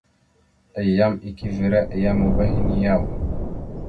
Ayyam eke evere a yam ava henne yaw ?